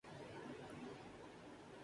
اپنے پڑوسیوں کے ساتھ دوستانہ تعلقات